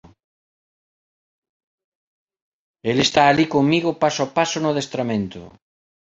El está alí comigo paso a paso no adestramento".